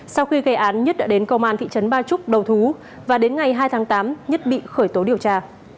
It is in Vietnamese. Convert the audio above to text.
sau khi gây án nhất đã đến công an thị trấn ba trúc đầu thú và đến ngày hai tháng tám nhất bị khởi tố điều tra